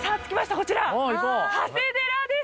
こちら長谷寺です